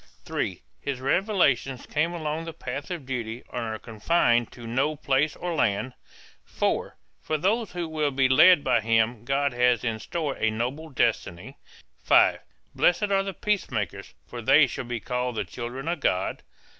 (3) His revelations come along the path of duty and are confined to no place or land. (4) For those who will be led by him God has in store a noble destiny. (5) Blessed are the peacemakers for they shall be called the children of God.